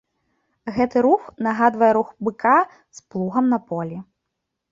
Гэты рух нагадвае рух быка з плугам на полі.